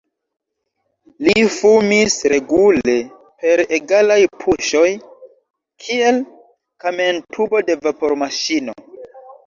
Li fumis regule, per egalaj puŝoj, kiel kamentubo de vapormaŝino.